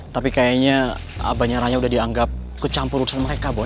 tapi kayaknya banyak raya udah dianggap kecampur urusan mereka